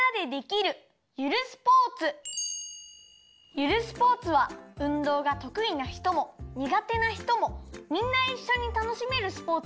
ゆるスポーツはうんどうがとくいなひともにがてなひともみんないっしょにたのしめるスポーツだよ。